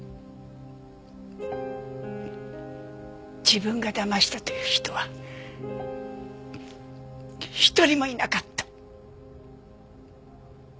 自分がだましたという人は一人もいなかった。